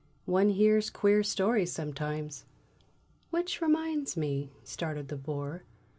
"One hears queer stories sometimes." "Which reminds me " started the Bore.